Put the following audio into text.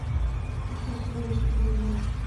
ফিসফিস ছিল বেশ কিছুদিন ধরে।